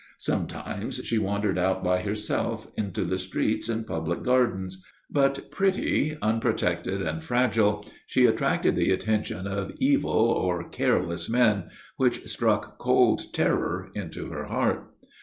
Sometimes she wandered out by herself into the streets and public gardens; but, pretty, unprotected, and fragile, she attracted the attention of evil or careless men, which struck cold terror into her heart.